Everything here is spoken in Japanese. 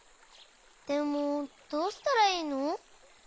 でもどうしたらいいの？